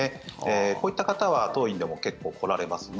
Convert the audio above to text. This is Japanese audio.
こういった方は当院でも結構来られますね。